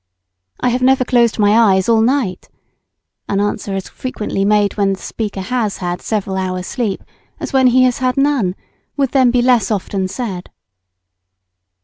"I have never closed my eyes all night," an answer as frequently made when the speaker has had several hours' sleep as when he has had none, would then be less often said.